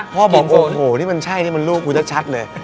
พ่อบอกโอ้โหนี่มันใช่นี่มันลูกกูชัดเลย